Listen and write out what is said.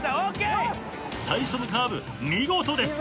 最初のカーブ見事です。